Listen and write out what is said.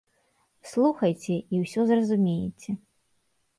Слухайце, і ўсё зразумееце.